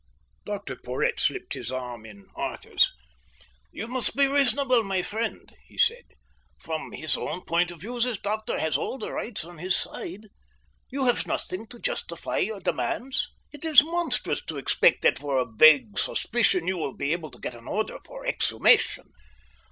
Dr Porhoët slipped his arm in Arthur's. "You must be reasonable, my friend," he said. "From his own point of view this doctor has all the rights on his side. You have nothing to justify your demands. It is monstrous to expect that for a vague suspicion you will be able to get an order for exhumation."